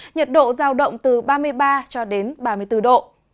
nhiệt độ giao động từ ba mươi ba cho đến ba mươi bốn độ